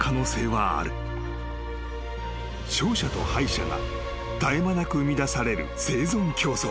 ［勝者と敗者が絶え間なく生みだされる生存競争］